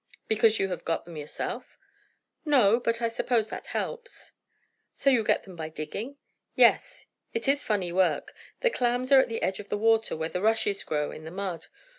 "Because you have got them yourself!" "No; but I suppose that helps." "So you get them by digging?" "Yes. It is funny work. The clams are at the edge of the water, where the rushes grow, in the mud.